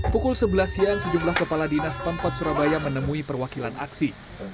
pukul sebelas siang sejumlah kepala dinas pemkot surabaya menemui perwakilan aksi